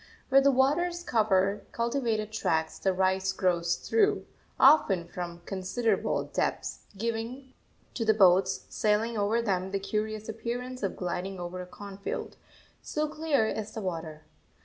Where the waters cover cultivated tracts the rice grows through, often from considerable depths, giving to the boats sailing over them the curious appearance of gliding over a cornfield, so clear is the water.